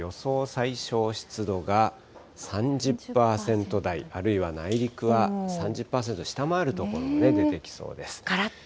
最小湿度が３０％台、あるいは内陸は３０％を下回る所も出てきそうです。